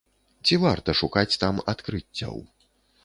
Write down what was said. Ці варта шукаць там адкрыццяў?